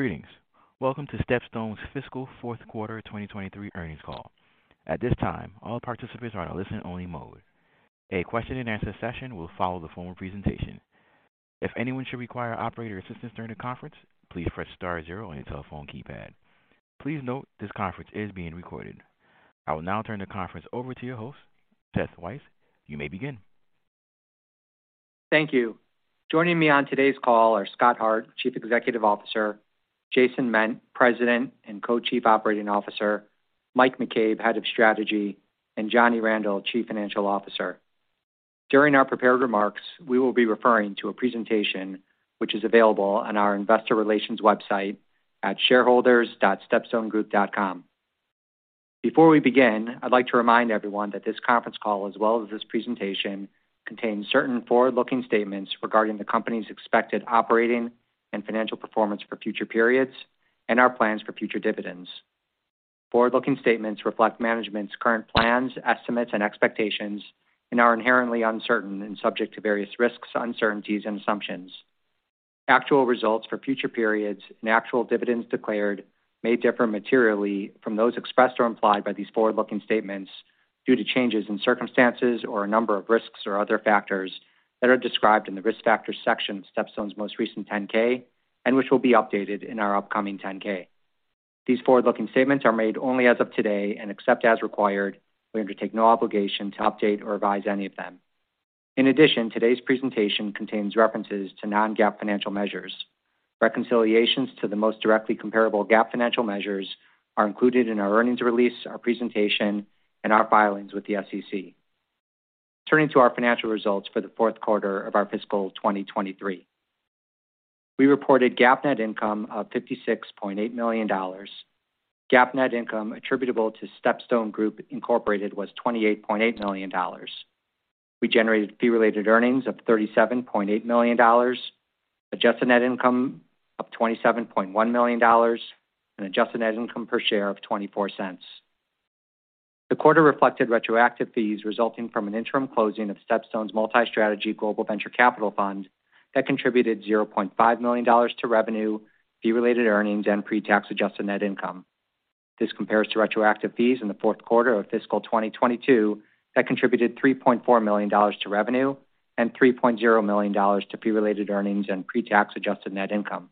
Greetings. Welcome to StepStone's fiscal fourth quarter 2023 earnings call. At this time, all participants are on a listen only mode. A question and answer session will follow the formal presentation. If anyone should require operator assistance during the conference, please press star zero on your telephone keypad. Please note this conference is being recorded. I will now turn the conference over to your host, Seth Weiss. You may begin. Thank you. Joining me on today's call are Scott Hart, Chief Executive Officer, Jason Ment, President and Co-Chief Operating Officer, Mike McCabe, Head of Strategy, and Johnny Randel, Chief Financial Officer. During our prepared remarks, we will be referring to a presentation which is available on our investor relations website at shareholders.stepstonegroup.com. Before we begin, I'd like to remind everyone that this conference call, as well as this presentation, contains certain forward looking statements regarding the company's expected operating and financial performance for future periods and our plans for future dividends. Forward looking statements reflect management's current plans, estimates, and expectations and are inherently uncertain and subject to various risks, uncertainties, and assumptions. Actual results for future periods and actual dividends declared may differ materially from those expressed or implied by these forward looking statements due to changes in circumstances or a number of risks or other factors that are described in the Risk Factors section of StepStone's most recent 10-K, and which will be updated in our upcoming 10-K. These forward-looking statements are made only as of today, except as required, we undertake no obligation to update or revise any of them. In addition, today's presentation contains references to non-GAAP financial measures. Reconciliations to the most directly comparable GAAP financial measures are included in our earnings release, our presentation, and our filings with the SEC. Turning to our financial results for the fourth quarter of our fiscal 2023. We reported GAAP net income of $56.8 million. GAAP net income attributable to StepStone Group Incorporated was $28.8 million. We generated Fee Related Earnings of $37.8 million, Adjusted Net Income of $27.1 million, and Adjusted Net Income per share of $0.24. The quarter reflected retroactive fees resulting from an interim closing of StepStone's multi strategy global venture capital fund that contributed $0.5 million to revenue, Fee Related Earnings, and pre-tax Adjusted Net Income. This compares to retroactive fees in the fourth quarter of fiscal 2022 that contributed $3.4 million to revenue and $3.0 million to Fee Related Earnings and pre-tax Adjusted Net Income.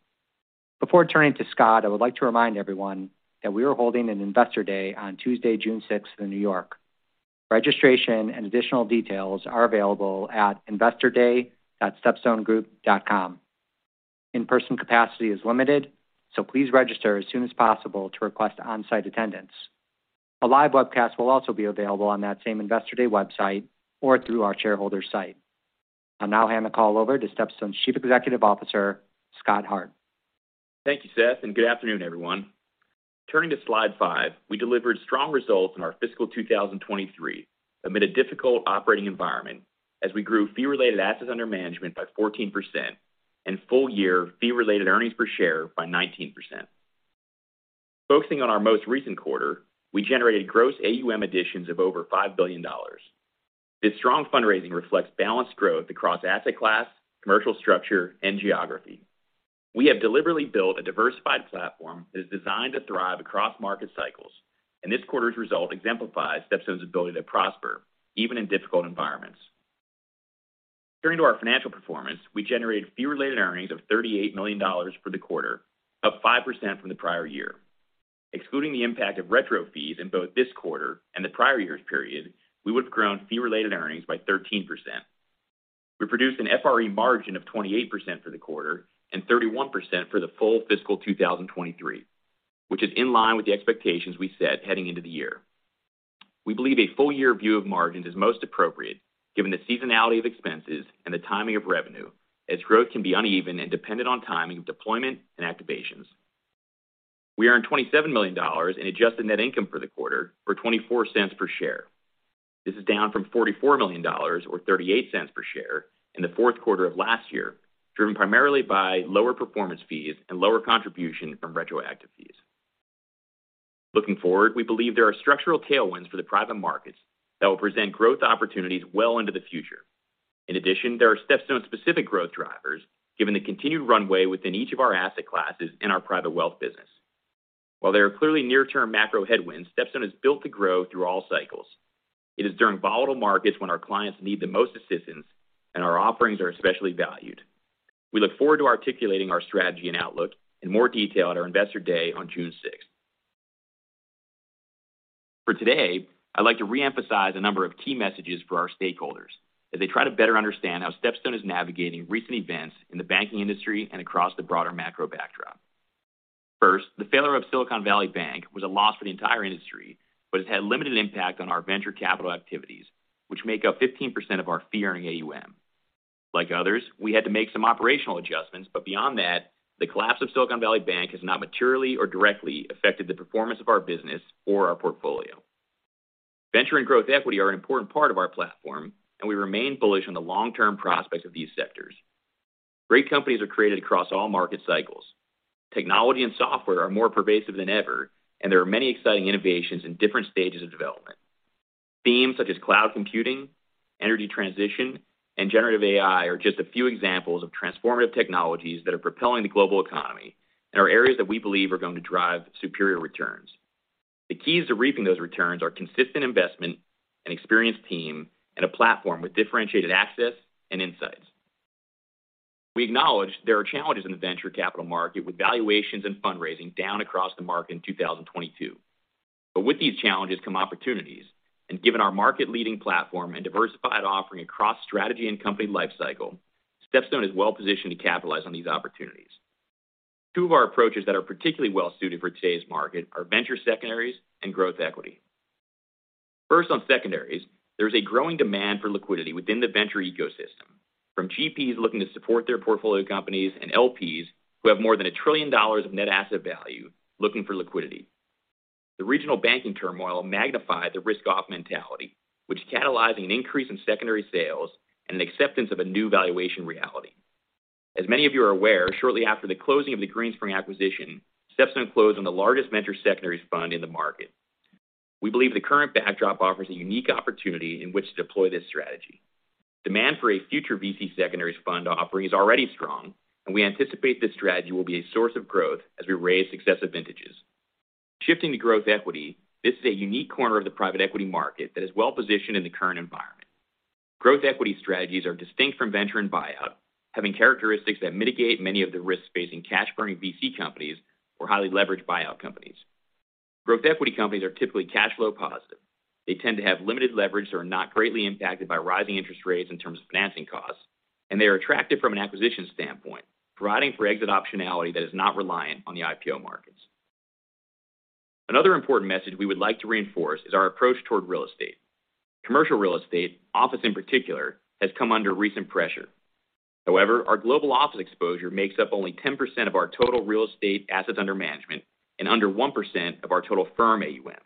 Before turning to Scott, I would like to remind everyone that we are holding an Investor Day on Tuesday, June sixth in New York. Registration and additional details are available at investorday.stepstonegroup.com. In-person capacity is limited. Please register as soon as possible to request on-site attendance. A live webcast will also be available on that same Investor Day website or through our shareholder site. I'll now hand the call over to StepStone's Chief Executive Officer, Scott Hart. Thank you, Seth, and good afternoon, everyone. Turning to slide five, we delivered strong results in our fiscal 2023 amid a difficult operating environment as we grew fee-related assets under management by 14% and full year Fee Related Earnings per share by 19%. Focusing on our most recent quarter, we generated Gross AUM additions of over $5 billion. This strong fundraising reflects balanced growth across asset class, commercial structure, and geography. We have deliberately built a diversified platform that is designed to thrive across market cycles, and this quarter's result exemplifies StepStone's ability to prosper even in difficult environments. Turning to our financial performance, we generated Fee Related Earnings of $38 million for the quarter, up 5% from the prior year. Excluding the impact of retrocession fees in both this quarter and the prior year's period, we would have grown Fee Related Earnings by 13%. We produced an FRE margin of 28% for the quarter and 31% for the full fiscal 2023, which is in line with the expectations we set heading into the year. We believe a full year view of margins is most appropriate given the seasonality of expenses and the timing of revenue, as growth can be uneven and dependent on timing of deployment and activations. We earned $27 million in Adjusted Net Income for the quarter for $0.24 per share. This is down from $44 million or $0.38 per share in the fourth quarter of last year, driven primarily by lower performance fees and lower contribution from retroactive fees. Looking forward, we believe there are structural tailwinds for the private markets that will present growth opportunities well into the future. In addition, there are StepStone specific growth drivers given the continued runway within each of our asset classes in our private wealth business. While there are clearly near-term macro headwinds, StepStone is built to grow through all cycles. It is during volatile markets when our clients need the most assistance and our offerings are especially valued. We look forward to articulating our strategy and outlook in more detail at our Investor Day on June sixth. For today, I'd like to re-emphasize a number of key messages for our stakeholders as they try to better understand how StepStone is navigating recent events in the banking industry and across the broader macro backdrop. The failure of Silicon Valley Bank was a loss for the entire industry, but it had limited impact on our venture capital activities, which make up 15% of our fee-earning AUM. Like others, we had to make some operational adjustments, but beyond that, the collapse of Silicon Valley Bank has not materially or directly affected the performance of our business or our portfolio. Venture and growth equity are an important part of our platform, and we remain bullish on the long term prospects of these sectors. Great companies are created across all market cycles. Technology and software are more pervasive than ever, and there are many exciting innovations in different stages of development. Themes such as cloud computing, energy transition, and generative AI are just a few examples of transformative technologies that are propelling the global economy and are areas that we believe are going to drive superior returns. The keys to reaping those returns are consistent investment, an experienced team, and a platform with differentiated access and insights. We acknowledge there are challenges in the venture capital market, with valuations and fundraising down across the market in 2022. With these challenges come opportunities, and given our market-leading platform and diversified offering across strategy and company life cycle, StepStone Group is well-positioned to capitalize on these opportunities. Two of our approaches that are particularly well-suited for today's market are venture secondaries and growth equity. First, on secondaries, there's a growing demand for liquidity within the venture ecosystem, from GPs looking to support their portfolio companies and LPs who have more than $1 trillion of net asset value looking for liquidity. The regional banking turmoil magnified the risk off mentality, which is catalyzing an increase in secondary sales and an acceptance of a new valuation reality. As many of you are aware, shortly after the closing of the Greenspring Associates acquisition, StepStone closed on the largest venture secondaries fund in the market. We believe the current backdrop offers a unique opportunity in which to deploy this strategy. Demand for a future VC secondaries fund offering is already strong, and we anticipate this strategy will be a source of growth as we raise successive vintages. Shifting to growth equity, this is a unique corner of the private equity market that is well positioned in the current environment. Growth equity strategies are distinct from venture and buyout, having characteristics that mitigate many of the risks facing cash-burning VC companies or highly leveraged buyout companies. Growth equity companies are typically cash flow positive. They tend to have limited leverage that are not greatly impacted by rising interest rates in terms of financing costs, and they are attractive from an acquisition standpoint, providing for exit optionality that is not reliant on the IPO markets. Another important message we would like to reinforce is our approach toward real estate. Commercial real estate, office in particular, has come under recent pressure. However, our global office exposure makes up only 10% of our total real estate assets under management and under 1% of our total firm AUM.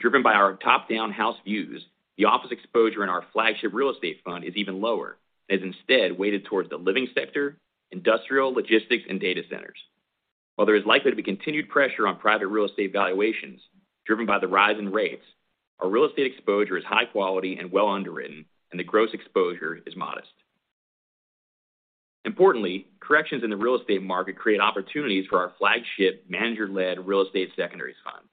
Driven by our top down house views, the office exposure in our flagship real estate fund is even lower, as instead weighted towards the living sector, industrial, logistics, and data centers. While there is likely to be continued pressure on private real estate valuations driven by the rise in rates, our real estate exposure is high quality and well underwritten, and the gross exposure is modest. Importantly, corrections in the real estate market create opportunities for our flagship manager led real estate secondaries fund.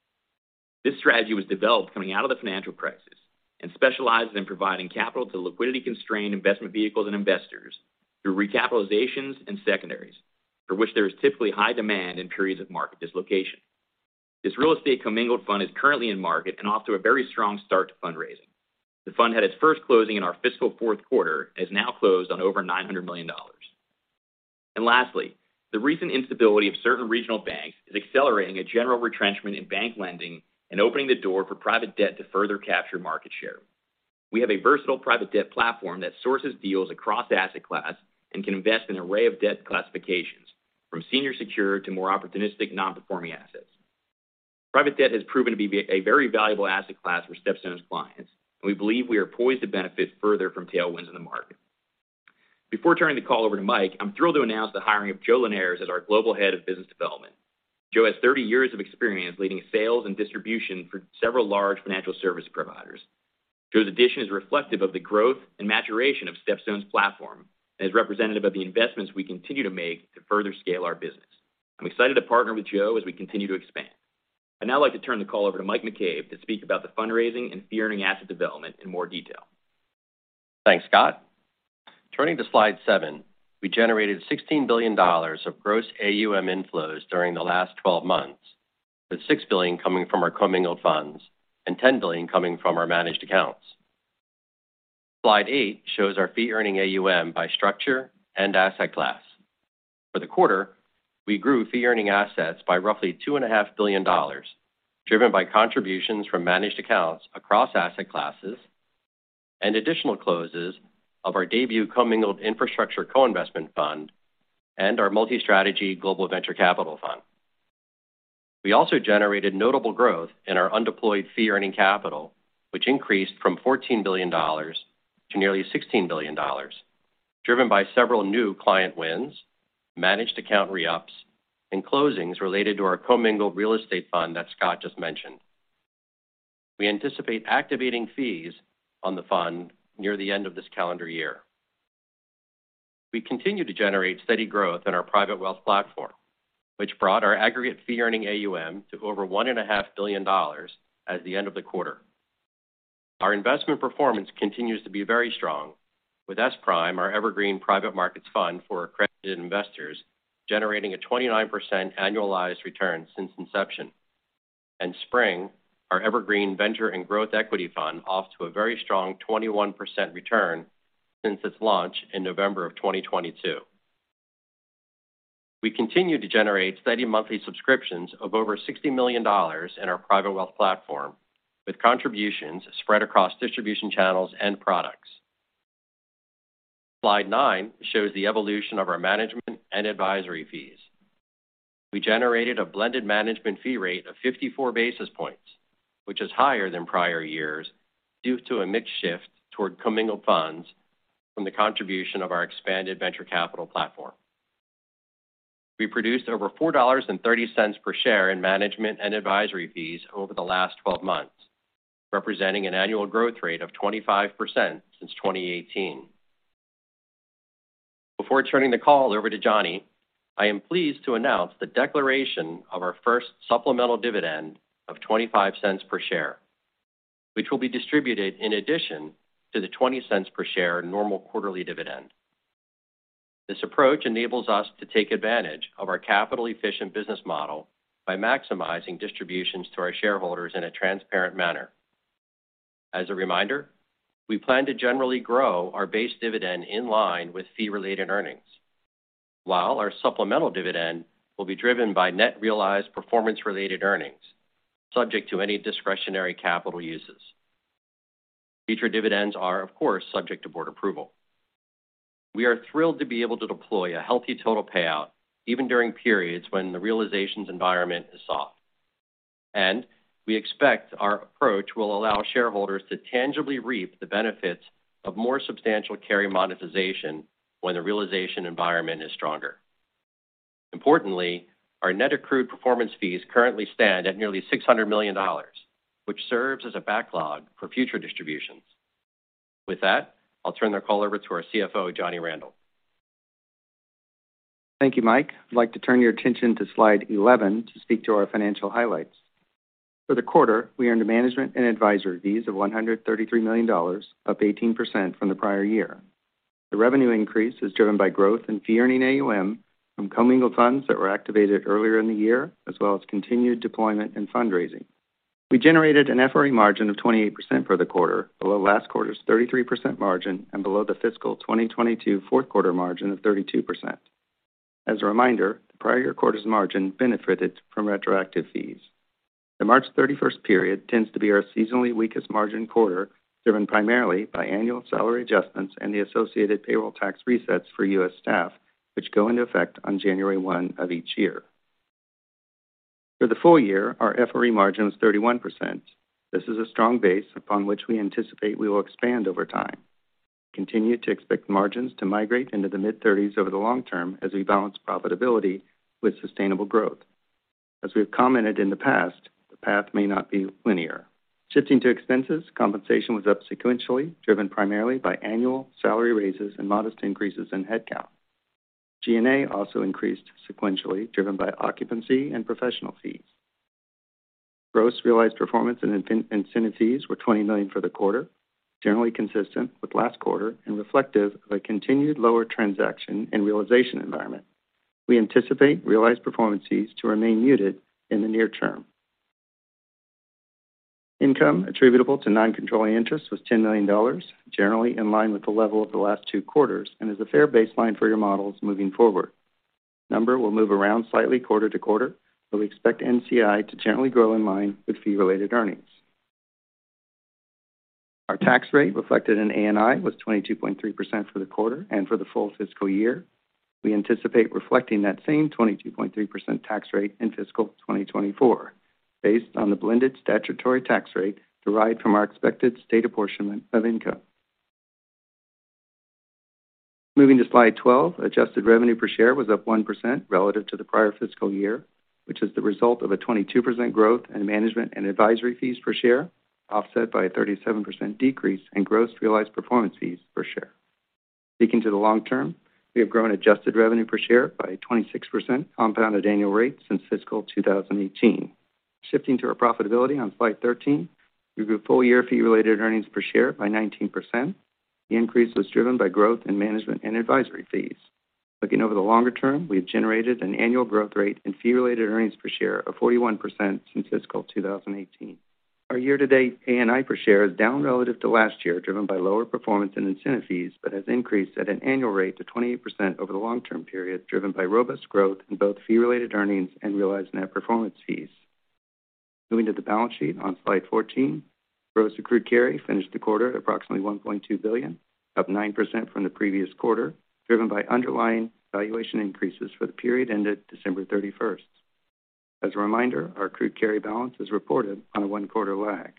This strategy was developed coming out of the financial crisis and specializes in providing capital to liquidity constrained investment vehicles and investors through recapitalizations and secondaries, for which there is typically high demand in periods of market dislocation. This real estate commingled fund is currently in market and off to a very strong start to fundraising. The fund had its first closing in our fiscal fourth quarter and has now closed on over $900 million. Lastly, the recent instability of certain regional banks is accelerating a general retrenchment in bank lending and opening the door for private debt to further capture market share. We have a versatile private debt platform that sources deals across asset class and can invest in an array of debt classifications, from senior secured to more opportunistic non-performing assets. Private debt has proven to be a very valuable asset class for StepStone's clients, and we believe we are poised to benefit further from tailwinds in the market. Before turning the call over to Mike, I'm thrilled to announce the hiring of Joe Linhares as our Global Head of Business Development. Joe has 30 years of experience leading sales and distribution for several large financial service providers. Joe's addition is reflective of the growth and maturation of StepStone's platform and is representative of the investments we continue to make to further scale our business. I'm excited to partner with Joe as we continue to expand. I'd now like to turn the call over to Mike McCabe to speak about the fundraising and fee earning asset development in more detail. Thanks, Scott. Turning to slide seven, we generated $16 billion of gross AUM inflows during the last 12 months, with $6 billion coming from our commingled funds and $10 billion coming from our managed accounts. Slide eight, shows our fee-earning AUM by structure and asset class. For the quarter, we grew fee-earning assets by roughly $2.5 billion, driven by contributions from managed accounts across asset classes and additional closes of our debut commingled infrastructure co-investment fund and our multi-strategy global venture capital fund. We also generated notable growth in our undeployed fee-earning capital, which increased from $14 billion to nearly $16 billion, driven by several new client wins, managed account re-ups, and closings related to our commingled real estate fund that Scott just mentioned. We anticipate activating fees on the fund near the end of this calendar year. We continue to generate steady growth in our private wealth platform, which brought our aggregate fee earning AUM to over one and a half billion dollars at the end of the quarter. Our investment performance continues to be very strong, with SPRIM, our evergreen private markets fund for accredited investors, generating a 29% annualized return since inception. SPRING, our evergreen venture and growth equity fund, off to a very strong 21% return since its launch in November of 2022. We continue to generate steady monthly subscriptions of over $60 million in our private wealth platform, with contributions spread across distribution channels and products. Slide nine, shows the evolution of our management and advisory fees. We generated a blended management fee rate of 54 basis points, which is higher than prior years due to a mix shift toward commingled funds from the contribution of our expanded venture capital platform. We produced over $4.30 per share in management and advisory fees over the last 12 months, representing an annual growth rate of 25% since 2018. Before turning the call over to Johnny, I am pleased to announce the declaration of our first supplemental dividend of $0.25 per share, which will be distributed in addition to the $0.20 per share normal quarterly dividend. This approach enables us to take advantage of our capital efficient business model by maximizing distributions to our shareholders in a transparent manner. As a reminder, we plan to generally grow our base dividend in line with fee-related earnings, while our supplemental dividend will be driven by net realized performance related earnings, subject to any discretionary capital uses. Future dividends are, of course, subject to board approval. We are thrilled to be able to deploy a healthy total payout even during periods when the realizations environment is soft, and we expect our approach will allow shareholders to tangibly reap the benefits of more substantial carry monetization when the realization environment is stronger. Importantly, our net accrued performance fees currently stand at nearly $600 million, which serves as a backlog for future distributions. With that, I'll turn the call over to our CFO, Johnny Randel. Thank you, Mike. I'd like to turn your attention to slide 11 to speak to our financial highlights. For the quarter, we earned management and advisory fees of $133 million, up 18% from the prior year. The revenue increase is driven by growth in fee-earning AUM from commingled funds that were activated earlier in the year, as well as continued deployment and fundraising. We generated an FRE margin of 28% for the quarter, below last quarter's 33% margin and below the fiscal 2022 fourth quarter margin of 32%. As a reminder, the prior quarter's margin benefited from retroactive fees. The March 31st period tends to be our seasonally weakest margin quarter, driven primarily by annual salary adjustments and the associated payroll tax resets for U.S. staff, which go into effect on January 1 of each year. For the full year, our FRE margin was 31%. This is a strong base upon which we anticipate we will expand over time. Continue to expect margins to migrate into the mid-30s over the long term as we balance profitability with sustainable growth. As we've commented in the past, the path may not be linear. Shifting to expenses, compensation was up sequentially, driven primarily by annual salary raises and modest increases in headcount. G&A also increased sequentially, driven by occupancy and professional fees. Gross realized performance and incentive fees were $20 million for the quarter, generally consistent with last quarter and reflective of a continued lower transaction and realization environment. We anticipate realized performance fees to remain muted in the near term. Income attributable to non-controlling interests was $10 million, generally in line with the level of the last two quarters and is a fair baseline for your models moving forward. We expect NCI to generally grow in line with Fee Related Earnings. Our tax rate reflected in ANI was 22.3% for the quarter and for the full fiscal year. We anticipate reflecting that same 22.3% tax rate in fiscal 2024 based on the blended statutory tax rate derived from our expected state apportionment of income. Moving to Slide 12, adjusted revenue per share was up 1% relative to the prior fiscal year, which is the result of a 22% growth in management and advisory fees per share, offset by a 37% decrease in gross realized performance fees per share. Speaking to the long term, we have grown adjusted revenue per share by 26% compounded annual rate since fiscal 2018. Shifting to our profitability on slide 13, we grew full year Fee Related Earnings per share by 19%. The increase was driven by growth in management and advisory fees. Looking over the longer term, we have generated an annual growth rate in Fee Related Earnings per share of 41% since fiscal 2018. Our year to date ANI per share is down relative to last year, driven by lower performance in incentive fees, but has increased at an annual rate to 28% over the long term period, driven by robust growth in both Fee Related Earnings and realized net performance fees. Moving to the balance sheet on slide 14, gross accrued carry finished the quarter at approximately $1.2 billion, up 9% from the previous quarter, driven by underlying valuation increases for the period ended December 31st. As a reminder, our accrued carry balance is reported on a one quarter lag.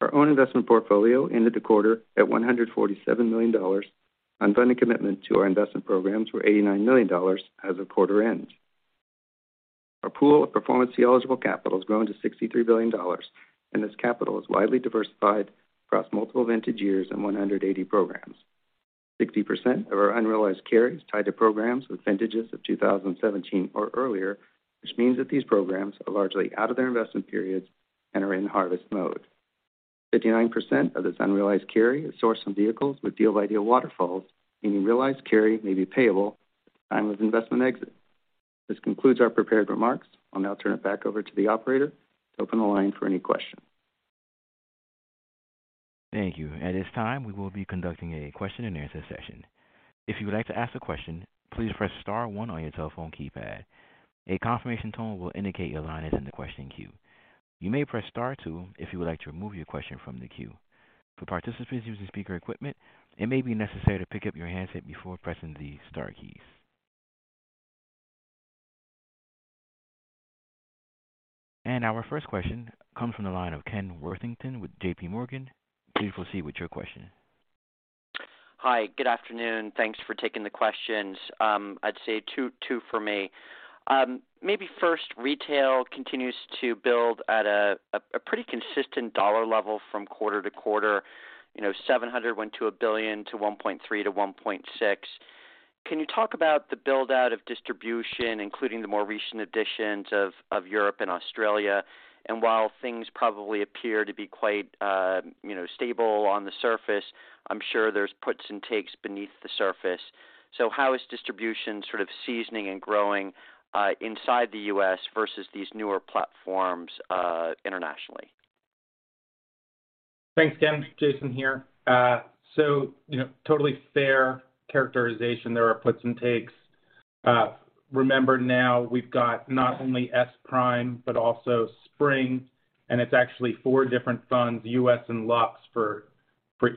Our own investment portfolio ended the quarter at $147 million. Unfunded commitment to our investment programs were $89 million as of quarter end. Our pool of performance fee eligible capital has grown to $63 billion. This capital is widely diversified across multiple vintage years and 180 programs. 60% of our unrealized carry is tied to programs with vintages of 2017 or earlier, which means that these programs are largely out of their investment periods and are in harvest mode. 59% of this unrealized carry is sourced from vehicles with deal-by-deal waterfalls, meaning realized carry may be payable at the time of investment exit. This concludes our prepared remarks. I'll now turn it back over to the operator to open the line for any questions. Thank you. At this time, we will be conducting a question and answer session. If you would like to ask a question, please press star one on your telephone keypad. A confirmation tone will indicate your line is in the question queue. You may press star two, if you would like to remove your question from the queue. For participants using speaker equipment, it may be necessary to pick up your handset before pressing the star keys. Our first question comes from the line of Ken Worthington with JPMorgan. Please proceed with your question. Hi, good afternoon. Thanks for taking the questions. I'd say two for me. Maybe first, retail continues to build at a pretty consistent dollar level from quarter to quarter. You know, $700 million went to $1 billion to $1.3 billion to $1.6 billion. Can you talk about the build out of distribution, including the more recent additions of Europe and Australia? While things probably appear to be quite, you know, stable on the surface, I'm sure there's puts and takes beneath the surface. How is distribution sort of seasoning and growing inside the U.S. versus these newer platforms internationally? Thanks, Ken. Jason here. You know, totally fair characterization. There are puts and takes. Remember now we've got not only SPRIM, but also SPRING, and it's actually four different funds, U.S. and Lux for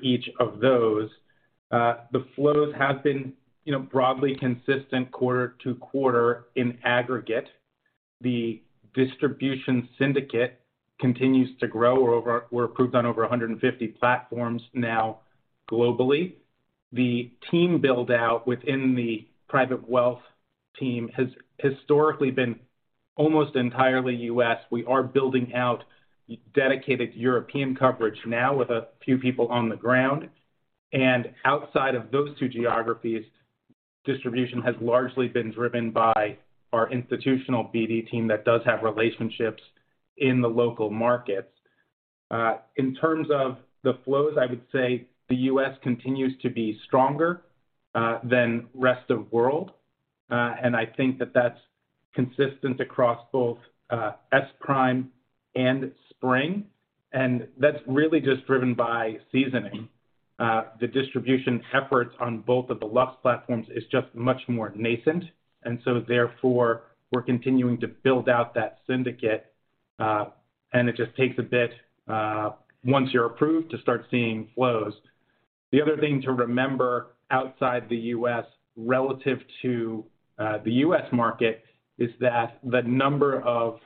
each of those. The flows have been, you know, broadly consistent quarter to quarter in aggregate. The distribution syndicate continues to grow. We're approved on over 150 platforms now globally. The team build out within the private wealth team has historically been almost entirely U.S. We are building out dedicated European coverage now with a few people on the ground. Outside of those two geographies, distribution has largely been driven by our institutional BD team that does have relationships in the local markets. In terms of the flows, I would say the U.S. continues to be stronger than rest of world. I think that that's consistent across both SPRIM and SPRING, and that's really just driven by seasoning. The distribution efforts on both of the Lux platforms is just much more nascent, therefore we're continuing to build out that syndicate, and it just takes a bit once you're approved, to start seeing flows. The other thing to remember outside the U.S. relative to the U.S. market is that the number of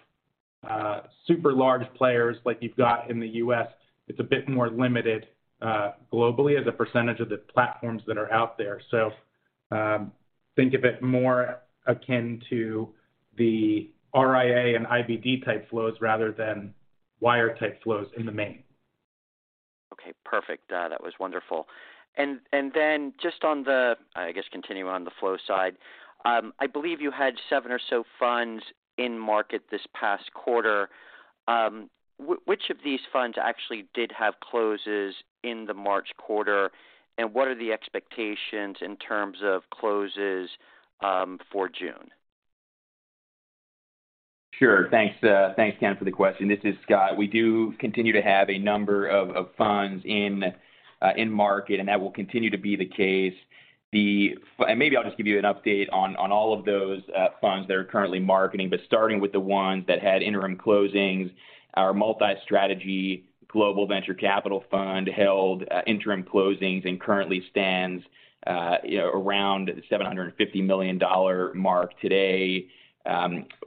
super large players like you've got in the U.S., it's a bit more limited globally as a percentage of the platforms that are out there. Think of it more akin to the RIA and IBD-type flows rather than wire-type flows in the main. Okay, perfect. That was wonderful. Then just on the... I guess continuing on the flow side. I believe you had seven or so funds in market this past quarter. Which of these funds actually did have closes in the March quarter, and what are the expectations in terms of closes, for June? Sure. Thanks, thanks, Ken, for the question. This is Scott. We do continue to have a number of funds in market, that will continue to be the case. Maybe I'll just give you an update on all of those funds that are currently marketing, starting with the ones that had interim closings. Our multi strategy global venture capital fund held interim closings and currently stands, you know, around the $750 million mark today.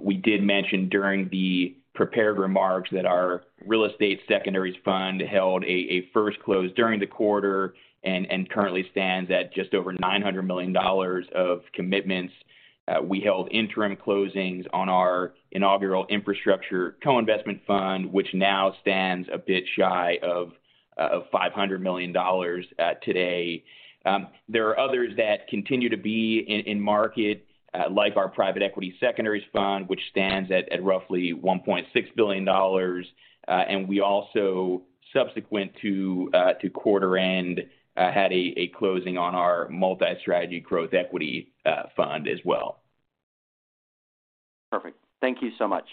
We did mention during the prepared remarks that our real estate secondaries fund held a first close during the quarter and currently stands at just over $900 million of commitments. We held interim closings on our inaugural infrastructure co-investment fund, which now stands a bit shy of $500 million today. There are others that continue to be in market, like our private equity secondaries fund, which stands at roughly $1.6 billion. We also, subsequent to quarter end, had a closing on our multi-strategy growth equity fund as well. Perfect. Thank you so much.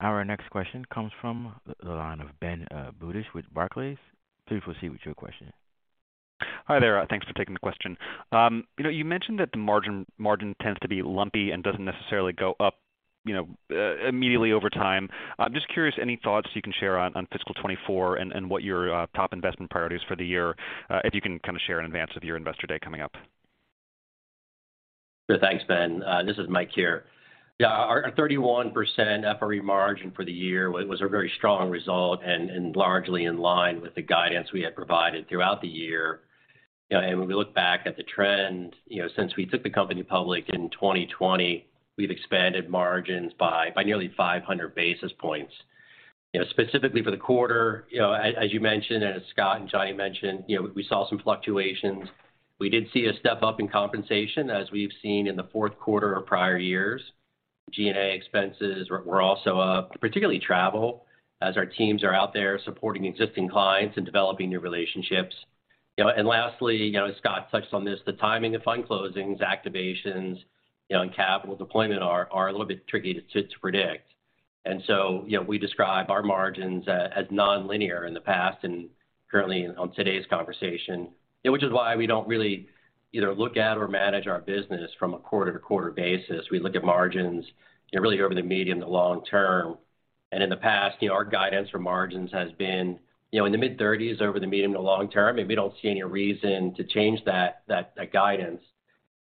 Our next question comes from the line of Ben Budish with Barclays. Please proceed with your question. Hi there. Thanks for taking the question. you know, you mentioned that the margin tends to be lumpy and doesn't necessarily go up, you know, immediately over time. I'm just curious, any thoughts you can share on fiscal 2024 and what your top investment priorities for the year, if you can kind of share in advance of your investor day coming up? Sure. Thanks, Ben. This is Mike here. Our 31% FRE margin for the year was a very strong result and largely in line with the guidance we had provided throughout the year. You know, and when we look back at the trend, you know, since we took the company public in 2020, we've expanded margins by nearly 500 basis points. You know, specifically for the quarter, you know, as you mentioned, and as Scott and Johnny mentioned, you know, we saw some fluctuations. We did see a step up in compensation, as we've seen in the fourth quarter of prior years. G&A expenses were also up, particularly travel, as our teams are out there supporting existing clients and developing new relationships. You know, lastly, you know, as Scott touched on this, the timing of fund closings, activations, you know, and capital deployment are a little bit tricky to predict. So, you know, we describe our margins as nonlinear in the past and currently on today's conversation. Which is why we don't really either look at or manage our business from a quarter-to-quarter basis. We look at margins, you know, really over the medium to long term. In the past, you know, our guidance for margins has been, you know, in the mid-thirties over the medium to long term, and we don't see any reason to change that guidance.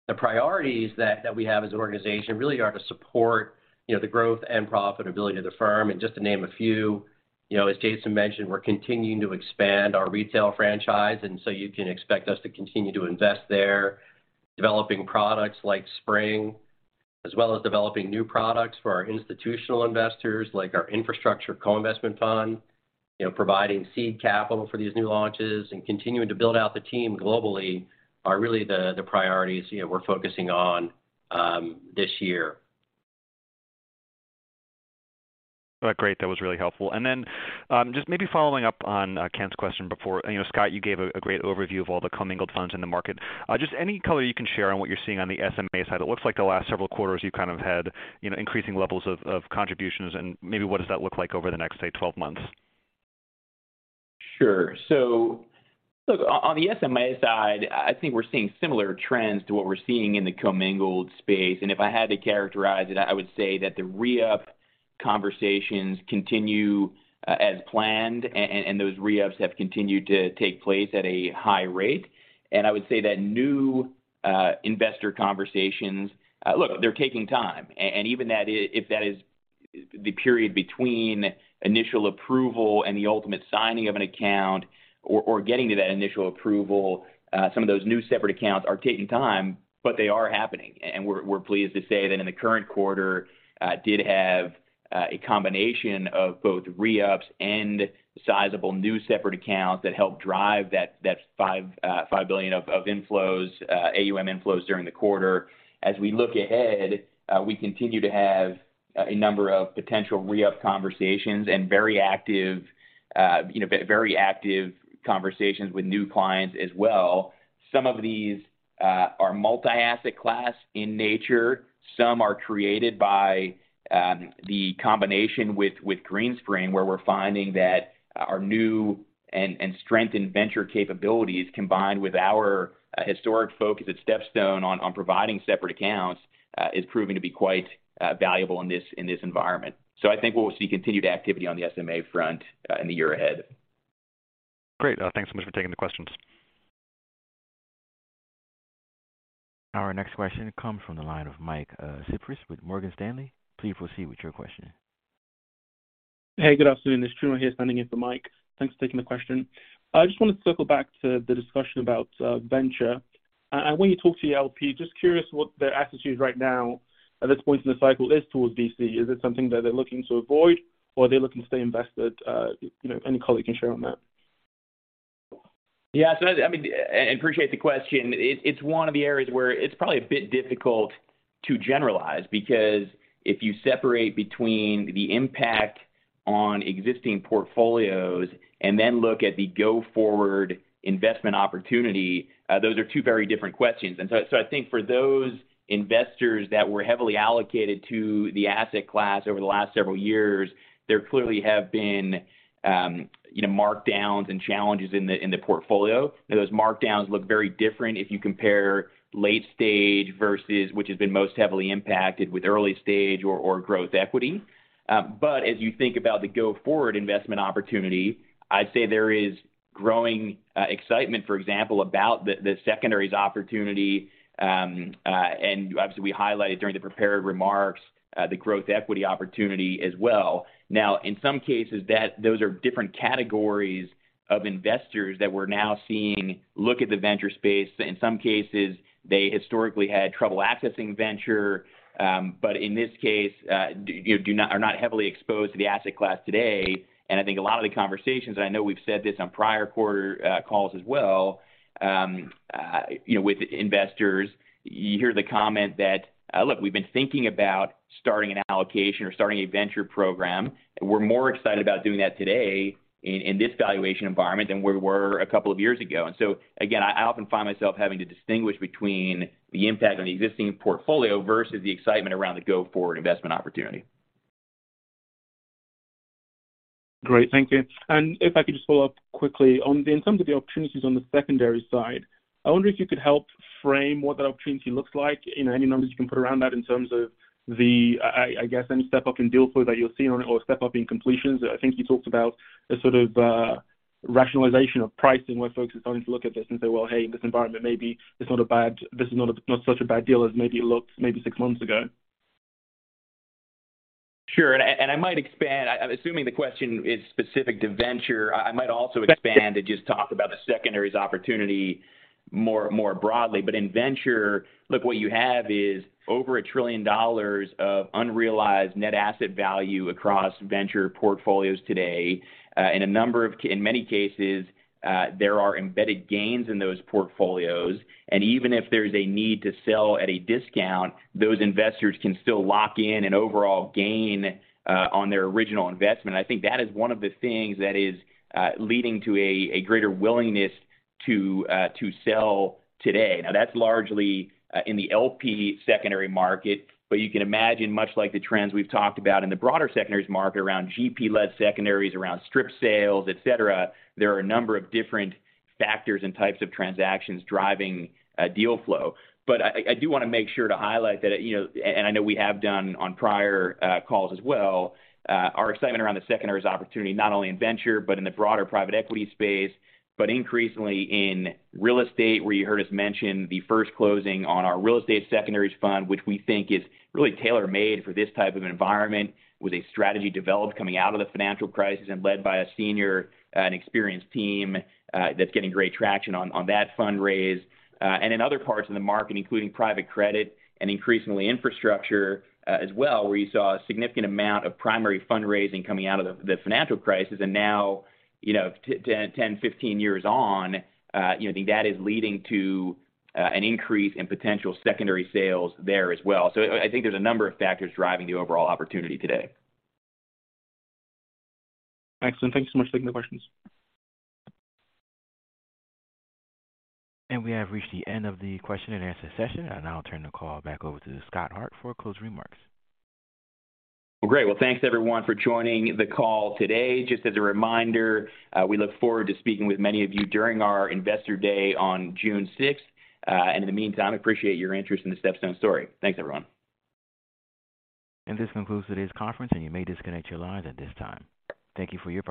The priorities that we have as an organization really are to support, you know, the growth and profitability of the firm. Just to name a few, you know, as Jason mentioned, we're continuing to expand our retail franchise, you can expect us to continue to invest there. Developing products like SPRING, as well as developing new products for our institutional investors, like our infrastructure co-investment fund. You know, providing seed capital for these new launches and continuing to build out the team globally are really the priorities, you know, we're focusing on this year. All right. Great. That was really helpful. Just maybe following up on Ken's question before. I know, Scott, you gave a great overview of all the commingled funds in the market. Just any color you can share on what you're seeing on the SMA side. It looks like the last several quarters you kind of had, you know, increasing levels of contributions and maybe what does that look like over the next, say, 12 months? Sure. Look, on the SMA side, I think we're seeing similar trends to what we're seeing in the commingled space. If I had to characterize it, I would say that the re-up conversations continue as planned and those re-ups have continued to take place at a high rate. I would say that new investor conversations. Look, they're taking time. And even if that is the period between initial approval and the ultimate signing of an account or getting to that initial approval, some of those new separate accounts are taking time, but they are happening. We're pleased to say that in the current quarter did have a combination of both re-ups and sizable new separate accounts that help drive that $5 billion of inflows, AUM inflows during the quarter. As we look ahead, we continue to have a number of potential re-up conversations and very active conversations with new clients as well. Some of these are multi asset class in nature. Some are created by the combination with Greenspring Associates, where we're finding that our new and strength and venture capabilities, combined with our historic focus at StepStone on providing separate accounts, is proving to be quite valuable in this, in this environment. I think we'll see continued activity on the SMA front in the year ahead. Great. Thanks so much for taking the questions. Our next question comes from the line of Mike Cyprys with Morgan Stanley. Please proceed with your question. Hey, good afternoon. This is Truman here standing in for Mike. Thanks for taking the question. I just wanted to circle back to the discussion about venture. When you talk to your LP, just curious what their attitude right now at this point in the cycle is towards VC. Is it something that they're looking to avoid or are they looking to stay invested? You know, any color you can share on that? Yeah. I mean, and appreciate the question. It's one of the areas where it's probably a bit difficult to generalize because if you separate between the impact on existing portfolios and then look at the go forward investment opportunity, those are two very different questions. I think for those investors that were heavily allocated to the asset class over the last several years, there clearly have been, you know, markdowns and challenges in the portfolio. Those markdowns look very different if you compare late stage versus which has been most heavily impacted with early stage or growth equity. As you think about the go forward investment opportunity, I'd say there is growing excitement, for example, about the secondaries opportunity. Obviously we highlighted during the prepared remarks, the growth equity opportunity as well. Now, in some cases, those are different categories of investors that we're now seeing look at the venture space. In some cases, they historically had trouble accessing venture, but in this case, are not heavily exposed to the asset class today. I think a lot of the conversations, and I know we've said this on prior quarter calls as well, you know, with investors, you hear the comment that, "Look, we've been thinking about starting an allocation or starting a venture program. We're more excited about doing that today in this valuation environment than we were a couple of years ago." Again, I often find myself having to distinguish between the impact on the existing portfolio versus the excitement around the go forward investment opportunity. Great. Thank you. If I could just follow up quickly. In terms of the opportunities on the secondary side, I wonder if you could help frame what that opportunity looks like. You know, any numbers you can put around that in terms of the, I guess, any step up in deal flow that you're seeing or step up in completions. I think you talked about the sort of rationalization of pricing, where folks are starting to look at this and say, "Well, hey, in this environment, maybe it's not such a bad deal as maybe it looked maybe six months ago. Sure. I might expand. I'm assuming the question is specific to venture. I might also expand, just talk about the secondaries opportunity more broadly. In venture, look, what you have is over $1 trillion of unrealized net asset value across venture portfolios today. In many cases, there are embedded gains in those portfolios. Even if there's a need to sell at a discount, those investors can still lock in an overall gain on their original investment. I think that is one of the things that is leading to a greater willingness to sell today. That's largely in the LP secondary market, but you can imagine much like the trends we've talked about in the broader secondaries market around GP-led secondaries, around strip sale, et cetera, there are a number of different factors and types of transactions driving deal flow. I do wanna make sure to highlight that, you know, and I know we have done on prior calls as well, our excitement around the secondaries opportunity, not only in venture but in the broader private equity space. Increasingly in real estate, where you heard us mention the first closing on our real estate secondaries fund, which we think is really tailor made for this type of environment with a strategy developed coming out of the financial crisis and led by a senior and experienced team that's getting great traction on that fundraise. In other parts of the market, including private credit and increasingly infrastructure as well, where you saw a significant amount of primary fundraising coming out of the financial crisis. Now, you know, 10, 15 years on, you know, I think that is leading to an increase in potential secondary sales there as well. I think there's a number of factors driving the overall opportunity today. Excellent. Thank you so much for taking the questions. We have reached the end of the question and answer session. I now turn the call back over to Scott Hart for closing remarks. Well, great. Well, thanks everyone for joining the call today. Just as a reminder, we look forward to speaking with many of you during our investor day on June sixth. In the meantime, appreciate your interest in the StepStone story. Thanks, everyone. This concludes today's conference, and you may disconnect your lines at this time. Thank you for your patience.